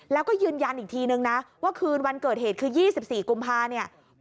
แล้วก็ยืนยันอีกทีนึงนะว่าคืนวันเกิดเหตุคือ๒๔กุมภาเนี่ย